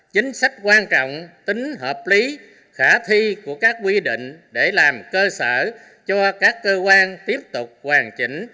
chính sách quan trọng tính hợp lý khả thi của các quy định để làm cơ sở cho các cơ quan tiếp tục hoàn chỉnh